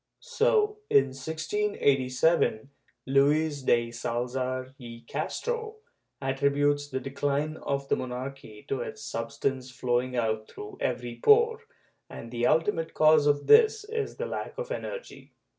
^ So, in 1687, Luis de Salazar y Castro attributes the decline of the monarchy to its substance flowing out through every pore, and the ultimate cause of this is the lack of energy.